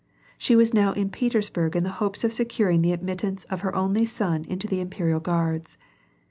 She was now in Petersburg in the hopes of securing the admittance of her only son into the Imperial Guards.